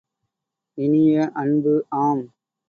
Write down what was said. இனிய அன்பு, ஆம்!